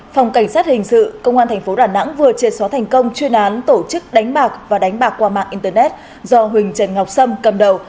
phòng cảnh sát hình sự công an tp đà nẵng vừa chê xóa thành công chuyên án tổ chức đánh bạc và đánh bạc qua mạng internet do huỳnh trần ngọc sâm cầm đầu